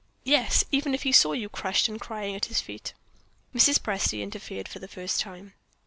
Yes! even if he saw you crushed and crying at his feet." Mrs. Presty interfered for the first time.